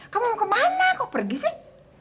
kamu mau kemana kok pergi sih